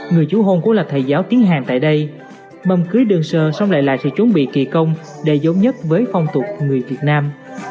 người chú hôn của là thầy giáo tiếng hàn tại đây mâm cưới đơn sơ xong lại lại sẽ chuẩn bị kỳ công đầy giống nhất với phong tục người việt nam